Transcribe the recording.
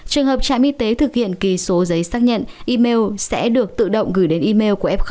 trường hợp trạm y tế thực hiện kỳ số giấy xác nhận email sẽ được tự động gửi đến email của f